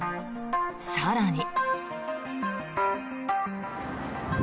更に。